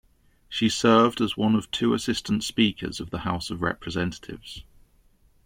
She served as one of two Assistant Speakers of the House of Representatives.